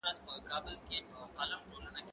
زه به سبا د کتابتون لپاره کار وکړم!؟